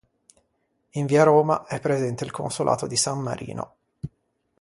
In via Roma è presente il consolato di San Marino.